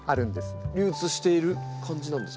流通している感じなんですか？